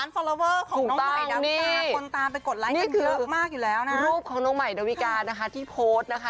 ฟอลลอเวอร์ถูกต้องนี่นี่คือรูปของน้องใหม่ดวิกานะคะที่โพสต์นะคะ